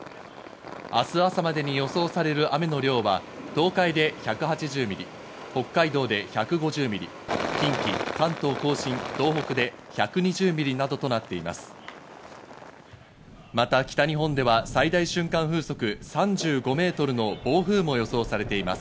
明日朝までに予想される雨の量は東海で１８０ミリ、北海道で１５０ミリ、近畿、関東、甲信、東北で１２０ミリなどとなっています。